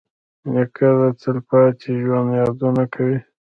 نیکه د تلپاتې ژوند یادونه کوي.